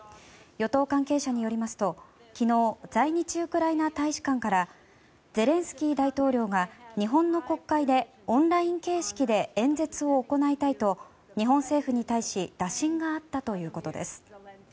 与党関係者によりますと昨日、在日ウクライナ大使館からゼレンスキー大統領が日本の国会でオンライン形式で演説を行いたいと日本政府に対し打診があったということです。